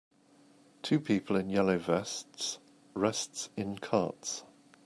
Two people in yellow vests rests in carts.